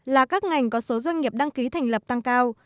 là các ngành có số doanh nghiệp đăng ký thành lập tăng cao